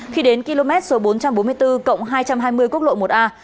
khi đến km số bốn trăm bốn mươi bốn cộng hai trăm hai mươi quốc lộ một a